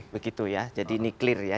begitu ya jadi ini clear ya